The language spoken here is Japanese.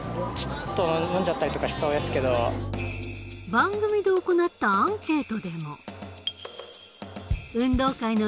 番組で行ったアンケートでも。などの声が。